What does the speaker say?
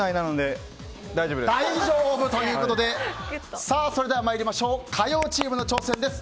大丈夫ということでそれでは参りましょう火曜チームの挑戦です。